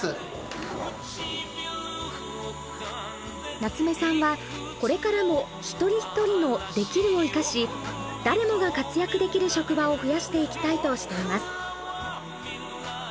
夏目さんはこれからも一人一人の「できる」を生かし誰もが活躍できる職場を増やしていきたいとしています。